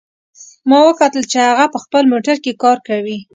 ما وکتل چې هغه په خپل موټر کې کار کوي